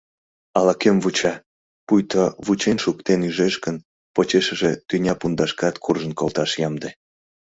Ала-кӧм вуча, пуйто, вучен шуктен, ӱжеш гын, почешыже тӱня пундашкат куржын колташ ямде.